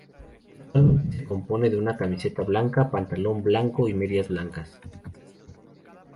Actualmente se compone de camiseta blanca, pantalón blanco y medias blancas.